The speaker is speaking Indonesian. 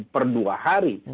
per dua hari